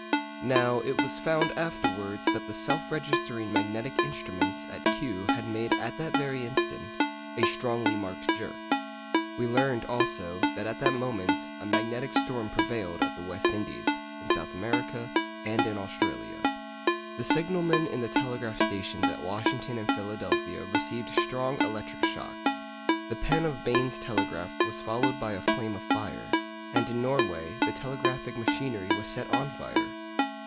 Now it was found afterwards that the self registering magnetic instruments at Kew had made at that very instant a strongly marked jerk. We learned, also, that at that moment a magnetic storm prevailed at the West Indies, in South America, and in Australia. The signalmen in the telegraph stations at Washington and Philadelphia received strong electric shocks; the pen of Bain's telegraph was followed by a flame of fire; and in Norway the telegraphic machinery was set on fire.